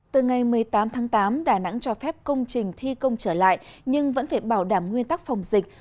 từ ngày một mươi tám tháng tám đà nẵng cho phép công trình thi công trở lại nhưng vẫn phải bảo đảm nguyên tắc phòng dịch